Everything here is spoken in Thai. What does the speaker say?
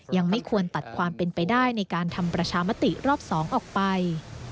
ยังไม่ควรตัดความเป็นไปได้ในการทำประชามติรอบ๒ออกไป